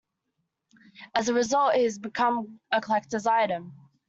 As a result, it has become a collectors item.